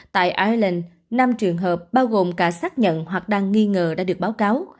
tại ireland năm trường hợp bao gồm cả xác nhận hoặc đang nghi ngờ đã được báo cáo